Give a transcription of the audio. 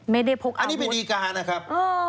ไม่ได้พกกันอันนี้เป็นดีการนะครับ